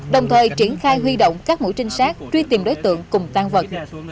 đồng thời triển khai huy động các mũi trinh sát truy tìm đối tượng cùng tan vật